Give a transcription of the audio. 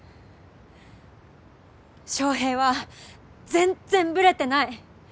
翔平は全然ブレてない。